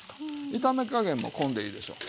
炒め加減もこんでいいでしょ。